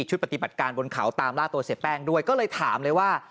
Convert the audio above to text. ชุดปฏิบัติการบนเขาตามล่าตัวเสียแป้งด้วยก็เลยถามเลยว่า